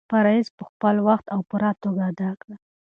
فرایض په خپل وخت او پوره توګه ادا کړه.